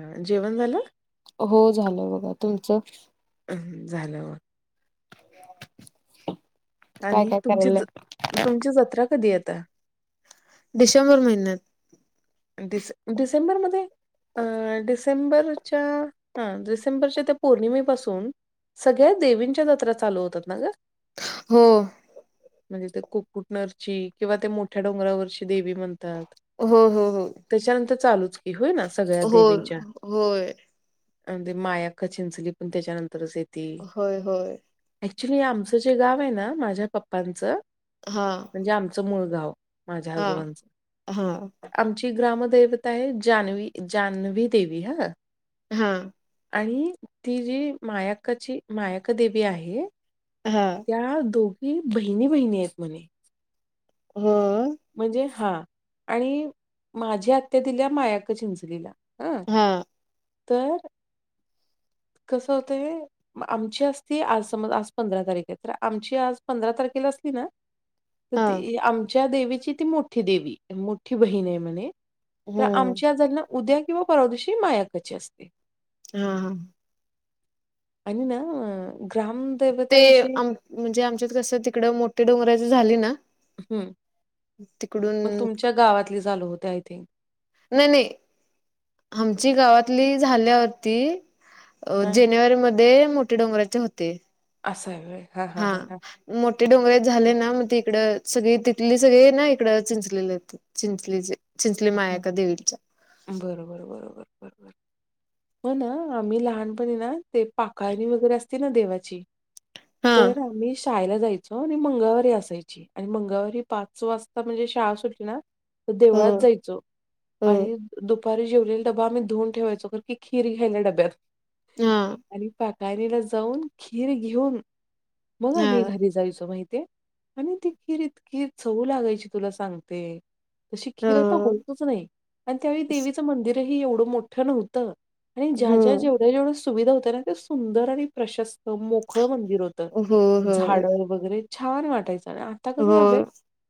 हा जेवण झालं. हो झालं बघा तुमचं. अं, झालं मग [unintelligible] आणि काय तुमची करायलय? ज तुमची जत्रा कधी येेताय. डिसेंबर महिन्यात डिसे डिसेंबरमध्ये अ डिसेंबरच्या हा डिसेंबरच्या त्या पौर्णिमेपासून सगळ्या देवींच्या जत्रा चालू होतात ना ग हो. म्हणजे ते कुकुटनरची किंवा ते मोठ्या डोंगरावरची देवी म्हणत्यात. हो हो हो त्याच्यानंतर चालूच की होय ना सगळ्या हो देवींच्या होय. आणि ते मायाख चिंचली पण त्याच्यानंतरच येत होय होय. एक्च्युली आमचं जे गाव आहे ना माझ्या पप्पांचं हा म्हणजे आमचं मूळ गाव माझ्या हा आजोबांच हा आमची ग्राम देवता आहे जानवी जान्हवी देवी हा हा. आणि ती जी मायाकाची मायाकदेवी आहे. हा त्या दोघी बहिणी बहिणी आहेत म्हणे. हो म्हणजे हा आणि माझी आत्या दिल्या मायाक चिंचलीला हां. हा. तर कसं होतय आमची असती आज समज आज पंधरा तारिख आहे तर आमची आज पंधरा तारखे तर हा त आमच्या देवीची ती मोठी देवी मोठी बहीण आहे म्हणे तर हम्म आमच्या ज [inaudible] उद्या किंवा पररादशी मायाकाची असते हा हा आणि ना ते ग्रामदेवताविषयी म्हणजे आमच्यात कस तिकडं मोठे डोंगराची झाली ना हम् तिकडून मग तुमच्या गावातलीच आलं होत आय थिंक नाही नाही आमची गावातली झाल्यावरती अ हां. जानेवारी मध्ये मोठे डोंगराचे होते असा हाय व्हय हा मोठे डोंगर झाले ना मग तिकडं सगळी तिथली सगळे ना इकड चिंचलेले चिंचलीचे चिंचली मायाका देवीच्या बरोबर बरोबर बरोबर हो ना आम्ही लहानपणी ना ते पा [inaudible] णी वगैरे असते ना देवाची हा तर आम्ही शाळेला जायचो आणि मंगळवारी असायची आणि मंगळवारी पाच वाजता म्हणजे शाळा सुटी ना हो देवळात जायच हो आणि दुपारी जेवलेला डबा ून ठेवायचो की खीर घ्यायला डब्यात हा आणि पाकाणीला जाऊन खीर घेऊन मग हा आम्ही घरी जायच माहिती आहे आणि ती खिर इत खीर सव लागायची तुला सांगते तशी हो खिीरात होतच नाही आणि त्यावेळी देवीचं मंदिरही एवढं मोठं नव्हतं आणि ज्या हो ज्या जेवढ्या जेढ सुविधा होत्या ना ते सुंदर आणि प्रशस्त मोकळं म्हणत िरत हो हो झाड वगैरे छान वाटायचं आणि आता कसं हो झालंय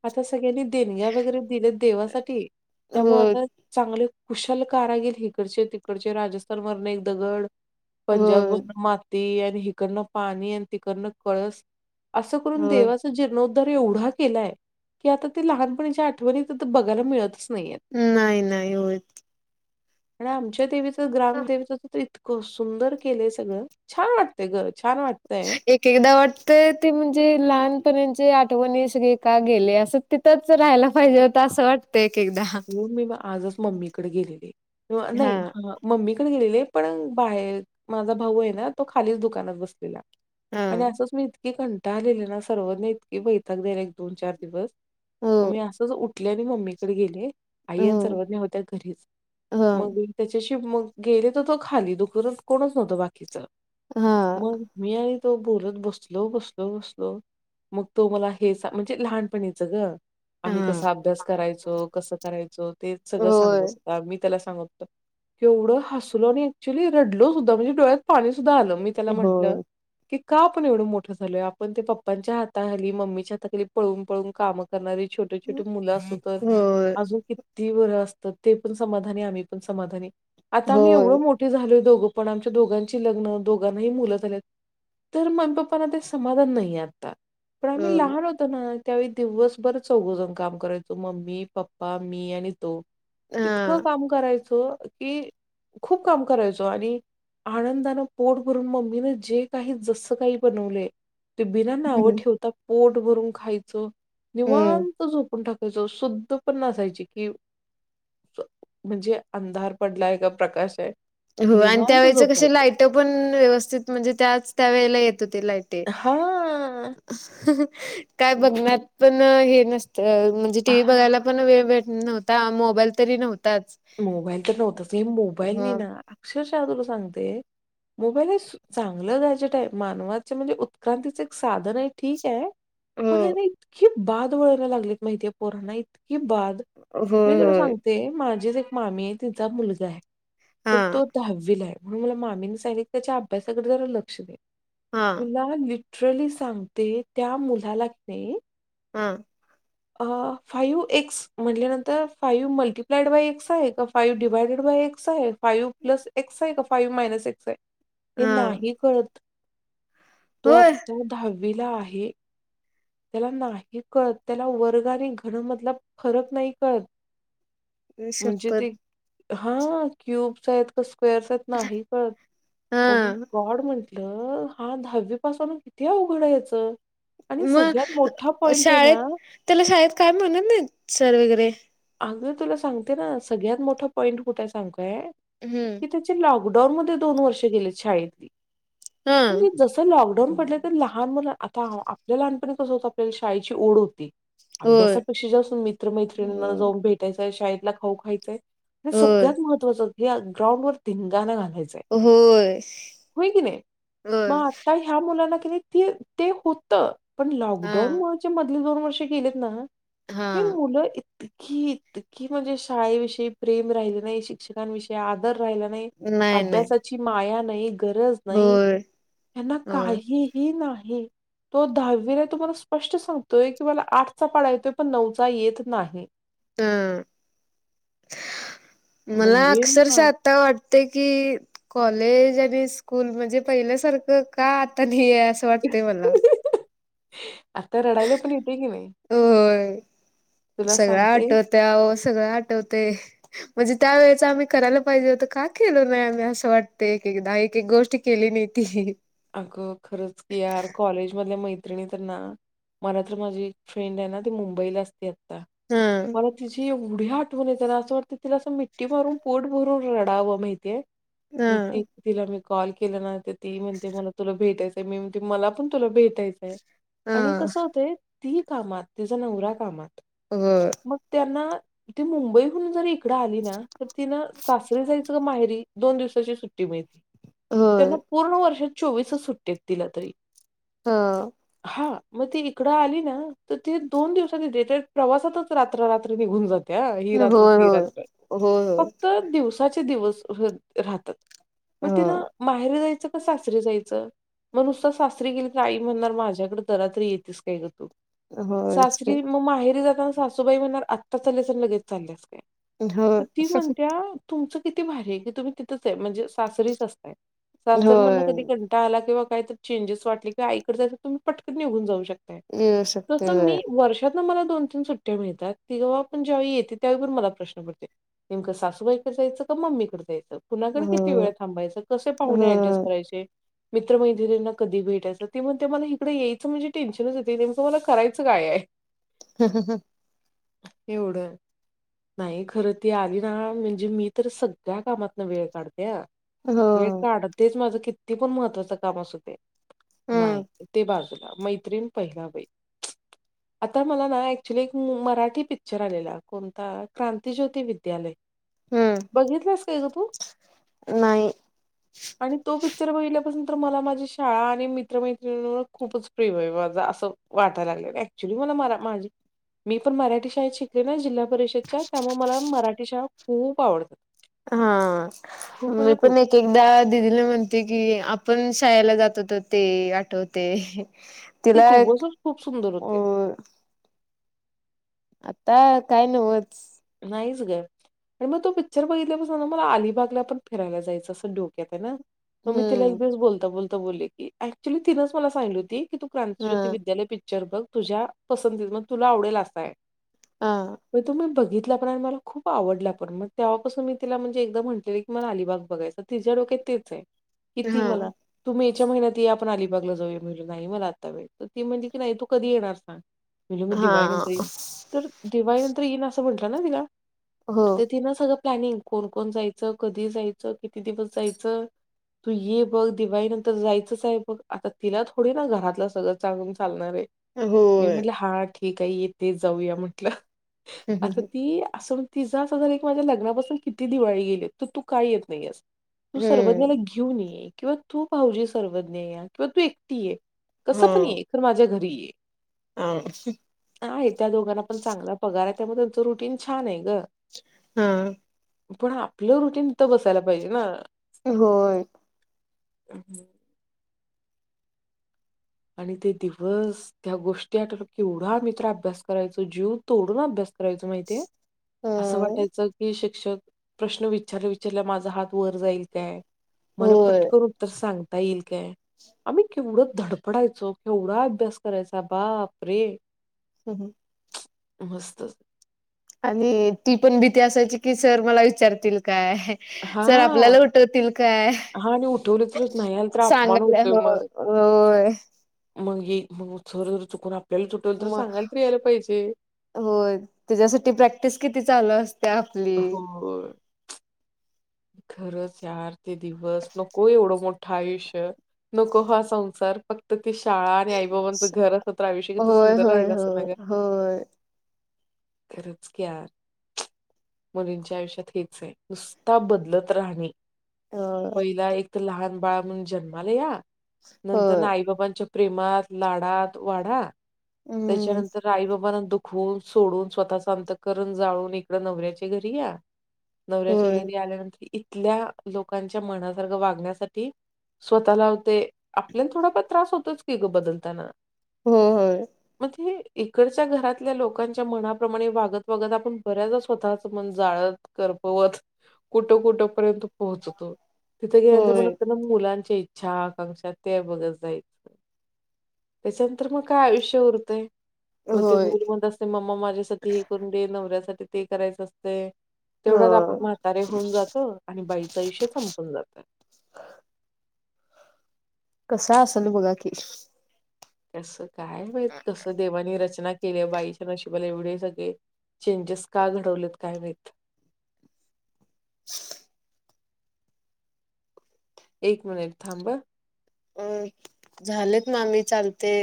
आता सगळ्यांनी देणग्या वगैरे दिले देवासाठी हो त्यामुळे आता चांगले कुशल कारा गेल इिकडचे तिकडचे राजस्थानवरने एक दगड हो पंजाबवरन माती आणि हिकडनं पाणी आणि तिकडनं कळस असं करून हो देवाचा जीर्णो एवढा केलाय की आता ते लहानपच्या आठवणी बघायला मिळतच नाहीयेत. नाही नाही होच आणि आमच्या देवीच ग्रामदेवीचच तर इतक सुंदर केलंय सगळं छान वाटतय गरज एक एकदा वाटत ते म्हणजे लहानपणी ज आठवणी अस का गेले असं तिथंच राहायला पाहिजे होत असं वाट मी आजच मम्मीकडे गेलेली नाही हा मम्मी गेलेले पण बाहेर माझा भाऊ आहे ना तो खालीच दुकानात बसलेला आणि असंच मी इतकीे कंटाळलेले ना सर्वांनी इतकी बैठक द्याला एक दोन चार दिवस हो मग मी असंच उठल्या मी मम्मीकडे गेले हो आईन सर्वज्ञ होत्या घरीच ह मग त्याच्या मग गेले तर तो खाली दुत कोणच नव्हतं बाकीच हा मग मी तो बोलत बसलो बसलो बसलो मग तो मला हे म्हणजे लहानपणीचं ग आम्ही हा कसा अभ्यास करायचो कसं करायचो ते सगळं सांगत होय, होता मी त्याला डल मी त्याला म्हटलं होय. का आपण एवढं मोठं झालोय आपण ते पप्पांच्या हाताखाली मम्मीच्या हाताखाली पळून पळून काम करणारे छोटे छोटे मुलं असत तर होय, अजून किती वर असतं ते पण समाधानी आम्ही पण समाधानी आता आम्ही येवढं होय, मोठे झालो दोघं पण आमच्या दोघांची लग्न दोघांनाही मुलं झालेत तर मम्मी पप्पाना ते समाधान नाही आता पण आम्ही होय लहान होतो ना त्यावेळी दिवसभर चौघं जाण काम करायच तो मम्मी पप्पा मी आणि तो इतकं हा. काम करायचो कि खूप काम करायचो आणि आनंदानं पोट भरून मम्मीने जे काही जस्सं काही बनवले ते बिना नावं हम्म. ठेवता पोट भरून खायचं हम्म निवांत झोपून टाकत त्या शुद्ध पण नसायची कि म्हणजे अंधार पडलाय का प्रकाश आहे हो आणि निवांत त्यावेेळेच कशी झोपायचं. लाईट पण व्यवस्थित म्हणजे त्याच त्यावेळेला येत लाईट ही हां. ही काय बघ पण हे नस तर म्हणजे टी व्ही बघायला पण वेळ भेट नव्हता मोबाईल तरी नव्हता मोबाईल तर नव्हताच हे मोबाईल नाही ह ना अक्षरशः तुला सांगते मोबाईल हे चांगलं गॅझेट हाय मानवाचे म्हणजे उत्क्रांतीचे एक साधन ठीक आहे हो पण ह्याने ना इतकी बाद वळण लागलीत माहितीय पोरना इतक ही बाद मी होय तुला होय सांगते माझीच एक मामी आहे तिचा मुलगा आहे तर हा तो दहावीला आहे म्हणून मला मामीने सांगीतले की त्याच्या अभ्यासाकडे जरा लक्ष दे हा तुला लिटरली सांगते त्या मुलाला की नाही हा फाइव्ह एक्स म्हटल्यानंतर फाइव्ह मल्टीप्लाइड बाय एक्स आहे का फाव डिवाइड बाय एक्स आहे फाईव प्लस एक्स आहे का फाईव्ह मायनस एक्स आहे हे हा नाही कळतं तो होय आता दहावीला आहे. त्याला नाही कळतं त्याला वर्गाने घन मधला फरक नाही कळतं आई शप्पथ हा क्युब्स आहेत का स्क्वेअर्स आहेत नाही कळतं हा ओ माय गॉड म्हणते हा दहावी पासून किती अवघडायचं आहे हयाच आणि म सगळ्यात मोठा पॉइंट आहे शाळेत ना त्याला शाळेत काय मिळणार नाही सर वगैरे अग तुला सांगते ना सगळ्यात मोठा पॉईंट कुठे हाय सांगू काय हम्म की त्याची लॉकडाऊन मध्ये दोन वर्षे गेलेत शाळेची हा आणि मी जसं लॉकडाउन पडले तर लहान मूल आता आपल्या लहानपणी कसं होतं आपल्या शाळेची ओढ होती होय अभ्यासापेक्षा जास्त असून मित्र मैत्रिणींना जाऊन भेटायचंय शाळेतला खाऊ खायचंय होय सगळ्यात महत्त्वाचं की ग्राउंड वर धिंगाणा घातला घालायचा होय हो की नाही होय मग आता ह्या मुलाना किती ते ते होत पण लॉकडाऊन हा मुळे मधले दोन वर्ष गेलेत ना ही हा मुलं इतकी इतकी म्हणजे शाळेविषयी प्रेम राहिले नाही शिक्षकांविषयी आदर राहिला नाही नाही नाही अभ्यासाची माया नाही गरज नाही होय त्यांना होय काहीही नाही तो दहावीने तुम्हाला स्पष्ट सांगतोय की मला आठचा पाडा येतोय पण नऊचा येत नाही हा. मला म्हणजे मा अक्षरशा आता वाटते कि कॉलेज आणि स्कूल म्हणजे पहिल्यासारखं का आता नाही आहे असं वाटतंय मला आता रडायला पण येते की नाही होय तुला सगळं सांगते आठवत अहो सगळं आठवते म्हणजे त्या वेळेच आम्ही करायला पाहिजे होतं काय केलो नाही आम्ही असं वाटतं एकदा एक एक गोष्टी केली मी ती अगं खरंच की यार कॉलेज मधल्या मैत्रिणी तर ना मला तर माझी एक फ्रेंड आहे ना ती मुंबईला असते आता हा मला तिची एवढी एवढी आठवन येतेना असं वाटतं तिला असं मिट्टी मारून पोट भरून रडावं माहिते मी ती हा तिला मी कॉल केला नाही ती ते मला तुला भेटायचंय मी म्हणते मला पण तुला भेटायचंय हा आणि कसं होत ती कामात तिचा नवरा कामात होय मग त्यांना त मुंबईहून जरी इकडे इकडं आली ना तर ति ना सासरी जायचं का माहेरी दोन दिवसाची सुट्टी मिळती त्यांना होय पूर्ण वर्षात चोवीस सुट्टया तिला तरी हा. हा मग ती इकडं आली ना तर त दोन दिवसांनी द प्रवासातच रात्र रात्र निघून जात त्या हि होय, रात्र ति होय. रात्र होय, होय. फक्त दिवस तहेयच क [unintelligible] जायच म नुसतं सासरी गेली तर आई म्हणणार माझ्याकडे जरा तरी येेतीस काय होय, होयच की. सासरी मग माहेरी जाताना सासूबाई म्हण आत्ता चालेस लगेच चालल्यास काय होय, तर ती म्हणत्या तुमचं किती भारी आहे की तुम्ही तिथंच आहे म्हणजे सासरीच असतंय सासर म्हण कधी होय. कं आला किं काय तर चेंजेस वाट किंवा आई कडे जायचं तर तुम्ही पटकन निघून जाऊ शकता येऊ शकते तसं होय. मी वर्ष मला दोन तीन सुट्टया मिळतात ति पण ज्यावेळी येते त्यावेळी पण मला प्रश्न पडते नेमकं सासूबाई जायचं मम्मीकडे जायचं कुणाकड किती वेळ थांबायचं कसे होय, पाहुणे ऍडजस्ट होय. करायचे मित्रमैत्रणीना कधी भेटायचं ते म्हणते मला इकडं यायचं म्हणजे टेन्शनच हो नेमकं मला करायचं काय आहे. हम् ह ह एवढं नाही खरं ती आली ना म्हणजे, मी तर सगळ्या कामातन वेळ काढते हा. हो, माझ किती पण महत्त्वाच काम असुदे, ते नाही हम्म, ते बाजू, मैत्रीण पहिला बाई, [unintelligible] आता मला ना ऍक्च्युली एक मराठी पिक्चर आलेला, कोणता क्रांतिज्योती विद्यालय, हम्म. बघितलंस काय ग तू? नाही. आणि तो पिक्चर बघहिल्यापासून, तर मला माझी शाळा आणि मित्रमैत्र खूपच प्रिय हो माझा असं वाट, वाट्याला लागलंयत, एक्च्युली मी पण मराठी शाळेत शाळेत जिल्हा परिषद, परिषदच्या त्यामुळे मला, मराठी शाळा खूप आवडतात. हा खूप मी म्हणजे खूप पण एक एकदा दिदीला म्ह, म्हणते की, आपण शाळेला जातो तर ते आठवते. ते तिला दिवसच खूप सुंदर होते अ,, आता काय नवच, नाहीच ग आणि मग तो पिक्चर बघितल्या बसून ना मला, अलिबागला पण फिरायला, जायचं असं डोक्यात आहे ना. मग मी तिला एक हम्म. दिवस बोलता बोलता बोलले की, ऍक्च्युली तिनंच मला सांगली होती. की तू क्रांति ज्योती हा. विद्यालय पिक्चर बघ, तुझ्या पसंती म तुला आवडेल असा आहे. हा. म तुम बघित, ति मला खूप आवडला पण मग, तेव्हापासून मी तिला म्हणज एकदा म्हटले की मला अिबाग बघायच तिच्या, डोक्यात तेच आहे. किती मला हा. तुम्ही, च्या महिन्यात आपण, अलिबागला जाऊळ मिळू नाही, मला आता व तर ती म्हणजे की नाही तू कधी येणार सांग. म्हणजे मी दिवाळी नंतर हा. येईन तर, दिवाळी नंतर येईन असं म्हणत ना तिला, हो. ता ति ना सगळं, प्लॅनिंग कोण कोण जायचं कधी, जायचं किती दिवस जायचं. तू ये बघ दिवाळी नंतर जायचंच आहे, बघ आता तिला थोडी ना घरातलं सगळं चांगून चालणार आहे, मी होय. म्हटलं हा कठी काही येते जाऊया म्हटलं. आता ती असून ति जा स जर एक माझ्या लग्नापासून किती दिवाळी गेली, तर तू काही येत नाहीयस. तू सर्वज्ञाला हम्म. घेऊन ये किंवा तू, भाहजी सर्वज्ञ या किंवा तू एकटी ये, कसं पण हा. आहे खर माझ्या घरी ये, हा. आहे आहे त्या दोघांना पण चांगला पगार आहे, त्यामुळे त्यांचं रुटीन छान आहे ग. हा, पण आपलं रुटीन, तर बसायला पाहिजे ना. होय, हम्, आणि ते दिवस त्या गोष्टी आठवल तर केवढ्या, आम्ही तर मित्र अभ्यास करायचो जीव तोडून अभ्यास, करायचो माहिती आहे, अ असं वाटायचं की शिक्षक प्रश्न विचारल्या विचारल्या माझा हात वर जाईल काय? मला होय. पटकन उत्तर सांग, ता येईल काय? आम्ही केवढं धड, पडायचो, केवढा अभ्यास करायचा बाप रे, हं हं मस्तचं, आणि ती पण भीती असायची, की सर मला विचारतील काय, सर हां. आपल्याला उठवतील काय, हां आणि उठवले तर नाही आलं तर अपमान सांगायला होतोय हो मग. होय होय. मग हे मग सर जर चुकून आप, मग होय त्याच्यासाठी प्रॅक्टिस किती चालू अस, त्या आपली, [unintelligible] खरचं यार ते दिवस नको एवढ, मोठं आयुष्य, नको हा संसार फक्त, ती शाळा आणि आईबाबांचं घर असतं, तर आयुष्य किती होय सुंदर होय राहील असतं ना होय गं. होय खरंच कि यार मुलींच्या आयुष्यात हेच आहे नुस ता बदलत राहणे होय पहिला एक तर लहान बाळ म्हणून जन्माला या नंतरन होय आई बाबांच्या प्रेमात, लाडात वाढा हम्म त्याच्यानंतर आईबाबांना दुःख खवून सोडून स्वतःचं अंतकरण जाळून इकड नवऱ्याच्या घरी या नवऱ्याच्या होय घरी आल्यानंतर इथल्या लोकांच्या मनासारख वागण्यासाठी स्वतःला होतंय आपल्याला थोडाफार त्रास होतोचं की गं बदलताना होय होय. मग ते इकडच्या घरातल्या लोकांच्या मनाप्रमाणे वागत वागत आपण बऱ्याचदा स्वतःचं मन जाळत कर रतोच. कुठं कुठं पर्यंत पोहोचतो तिथे होय गेल्यानंतर म मुलांच्या इच्छा च्छा, आकांक्षा त्या बघत जायचं. त्याच्यानंतर मग काय आयुष्य उरतंय मग ते होय मूल म्हणत असतंय मम्मा माझ्यासाठी हे करून दे, नवऱ्यासाठी ते करायचं असते तेवढ्यात आपण अ म्हातारे होऊन जातो, आणि बाईचं आयुष्य संपून जातंय. कसा असलं बघा की कसं काय माहित कसं देवांनी रच ना केल्या बाईच्या नशिबाला एवढे सगळे चेंजेस का घडवलेत काय माहित [inaudible] एक मिनिट थांब हा अ झालेत ना मी चालते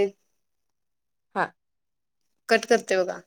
हा कट करते बघा.